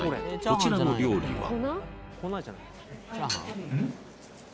こちらの料理は？